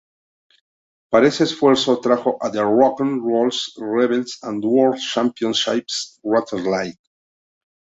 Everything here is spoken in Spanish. Para ese esfuerzo, trajo The Rock 'n Roll Rebels a World Championship Wrestling.